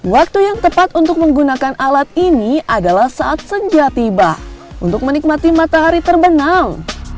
waktu yang tepat untuk menggunakan alat ini adalah saat senja tiba untuk menikmati matahari terbenam